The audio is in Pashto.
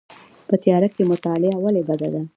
په تیاره کې مطالعه ولې بده ده؟